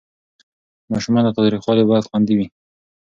ماشومان له تاوتریخوالي باید خوندي وي.